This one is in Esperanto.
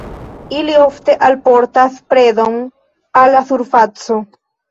Ili ofte alportas predon al la surfaco.